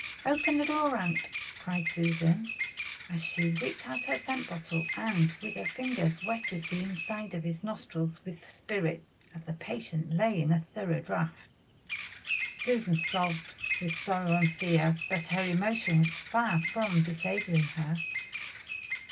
"Open the door, aunt," cried Susan, as she whipped out her scent bottle and with her finger wetted the inside of his nostrils with the spirit as the patient lay in the thorough draught. Susan sobbed with sorrow and fear, but her emotion was far from disabling her.